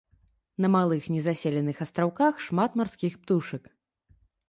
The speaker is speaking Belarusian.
На малых незаселеных астраўках шмат марскіх птушак.